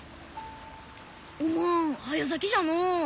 おまん早咲きじゃのう。